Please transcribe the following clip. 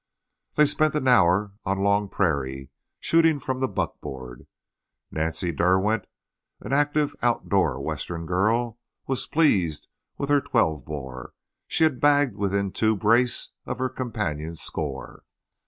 They spent an hour on Long Prairie, shooting from the buckboard. Nancy Derwent, an active, outdoor Western girl, was pleased with her twelve bore. She had bagged within two brace of her companion's score.